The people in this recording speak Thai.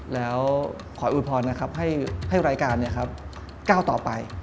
แล้วขออุดพรณนะครับให้รายการเนี่ยครับก้าวต่อไป